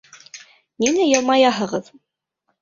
Ниңә йылмаяһығыҙ?